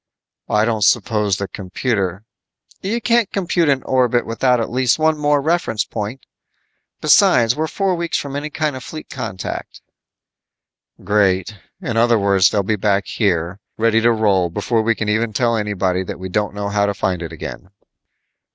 "I don't suppose the computer " "You can't compute an orbit without at least one more reference point. Besides, we're four weeks from any kind of fleet contact." "Great. In other words, they'll be back here, ready to roll before we can even tell anybody that we don't know how to find it again."